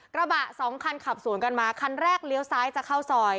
กระบะสองคันขับสวนกันมาคันแรกเลี้ยวซ้ายจะเข้าซอย